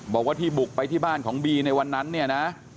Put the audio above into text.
บอกว่าที่บุกไปที่บ้านของบีในวันนั้นเนี่ยนะ